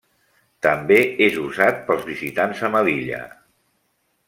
També és usat pels visitants a Melilla.